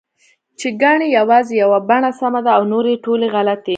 چې ګنې یوازې یوه بڼه سمه ده او نورې ټولې غلطې